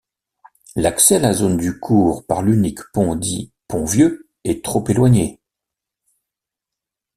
L’accès à la zone du Cours par l’unique pont dit Pont-Vieux est trop éloigné.